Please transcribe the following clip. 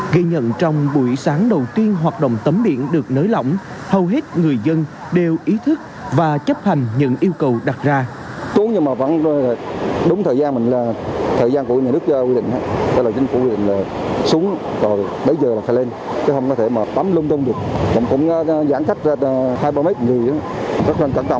gây nhận trong buổi sáng đầu tiên hoạt động tắm biển được nới lỏng hầu hết người dân đều ý thức và chấp hành những yêu cầu đặt ra